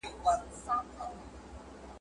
زه رنګین لکه پانوس یم زه د شمعی پیره دار یم `